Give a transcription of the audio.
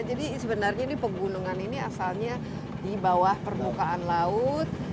jadi sebenarnya ini pegunungan ini asalnya di bawah permukaan laut